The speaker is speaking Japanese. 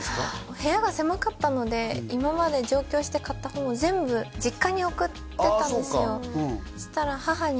部屋が狭かったので今まで上京して買った本を全部実家に送ってたんですよああ